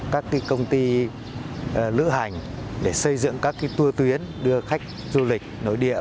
các công ty lữ hành để xây dựng các tua tuyến đưa khách du lịch nổi địa